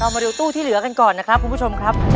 มาดูตู้ที่เหลือกันก่อนนะครับคุณผู้ชมครับ